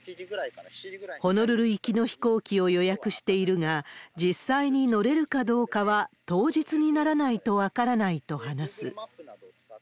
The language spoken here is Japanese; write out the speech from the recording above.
ホノルル行きの飛行機を予約しているが、実際に乗れるかどうかは当日にならないと分からないと話す。